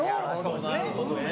なるほどね。